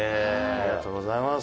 ありがとうございます。